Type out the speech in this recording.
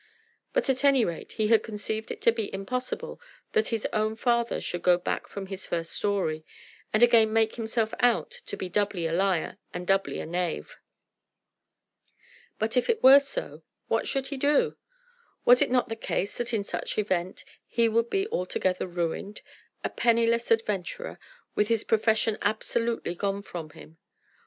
But at any rate he had conceived it to be impossible that his own father should go back from his first story, and again make himself out to be doubly a liar and doubly a knave. But if it were so, what should he do? Was it not the case that in such event he would be altogether ruined, a penniless adventurer with his profession absolutely gone from him?